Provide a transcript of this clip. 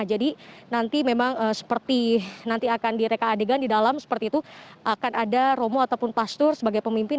jadi nanti memang seperti nanti akan direka adegan di dalam seperti itu akan ada romo ataupun pastor sebagai pemimpin